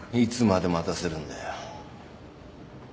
いつまで待たせるんだよ。